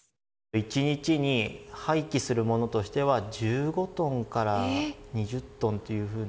１日に廃棄するものとしては１５トンから２０トンというふうな。